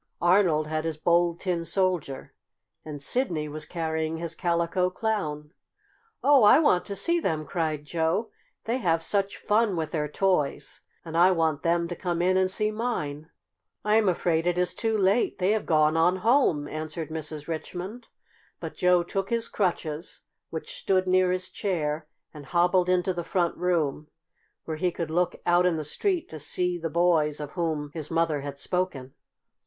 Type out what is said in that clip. "Arnold had his Bold Tin Soldier, and Sidney was carrying his Calico Clown." "Oh, I want to see them!" cried Joe. "They have such fun with their toys, and I want them to come in and see mine." "I'm afraid it is too late they have gone on home," answered Mrs. Richmond, but Joe took his crutches, which stood near his chair, and hobbled into the front room, where he could look out in the street to see the boys of whom his mother had spoken.